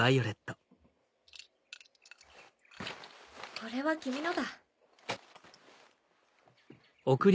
これは君のだ。